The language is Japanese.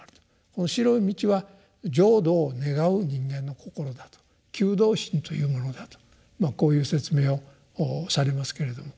この白い道は浄土を願う人間の心だと求道心というものだとこういう説明をされますけれども。